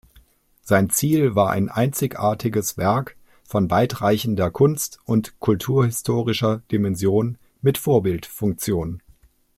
Sein Ziel war ein einzigartiges Werk von weitreichender kunst- und kulturhistorischer Dimension mit Vorbildfunktion.